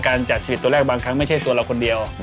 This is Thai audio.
การจัด๑๑ตัวแรกบางครั้งไม่ใช่ตัวเราคนเดียว